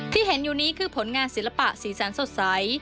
ที่เห็นอยู่นี้คือผลงานศิลปะสีสันสดใส